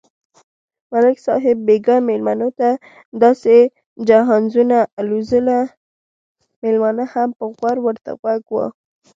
ملک صاحب بیگا مېلمنوته داسې جهازونه الوزول، مېلمانه هم په غور ورته غوږ و.